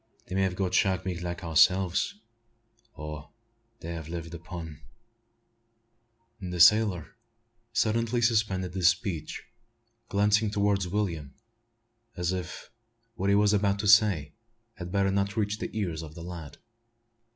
They may have got shark meat like ourselves; or they have lived upon " The sailor suddenly suspended his speech, glancing towards William, as if what he was about to say had better not reach the ears of the lad.